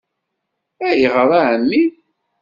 -Ayɣer a Ɛemmi?